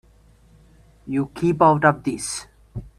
You keep out of this.